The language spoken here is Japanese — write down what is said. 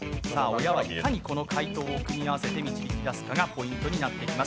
親がいかにこの解答を組み合わせるかがポイントになってきます。